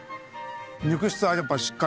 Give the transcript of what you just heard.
肉質がやっぱしっかりしてる。